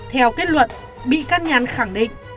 theo kết luận bị can nhàn khẳng định